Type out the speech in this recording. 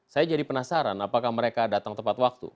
saya jadi penasaran apakah mereka datang tepat waktu